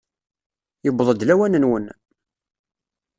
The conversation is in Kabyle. Yewweḍ-d lawan-nwen!